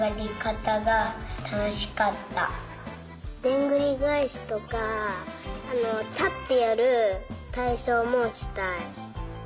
でんぐりがえしとかたってやるたいそうもしたい。